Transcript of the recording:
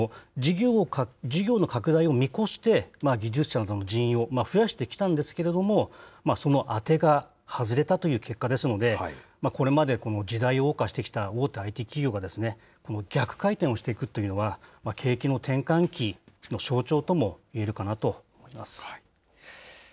事業の拡大を見越して、技術者などの人員を増やしてきたんですけれども、その当てが外れたという結果ですので、これまで、この時代をおう歌してきた大手ＩＴ企業が逆回転をしていくというのは、景気の転換期の象徴ともいえるかなと思います。